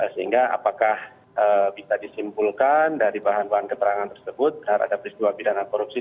sehingga apakah bisa disimpulkan dari bahan bahan keterangan tersebut terhadap peristiwa pidana korupsi